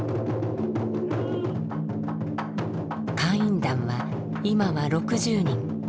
海員団は今は６０人。